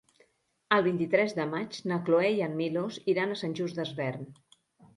El vint-i-tres de maig na Cloè i en Milos iran a Sant Just Desvern.